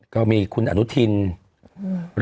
ก็มีคุณอนุทิน